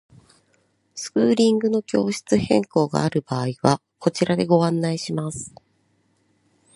スクーリングの教室変更がある場合はこちらでご案内します。